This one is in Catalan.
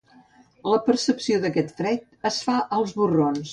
La percepció d'aquest fred es fa als borrons.